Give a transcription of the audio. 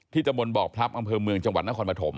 ตะบนบอกพลับอำเภอเมืองจังหวัดนครปฐม